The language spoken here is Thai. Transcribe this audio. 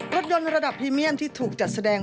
รถยนต์ระดับพรีเมียนที่ถูกจัดแสดง